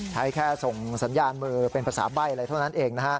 ใช้แค่ส่งสัญญาณมือเป็นภาษาใบ้อะไรเท่านั้นเองนะฮะ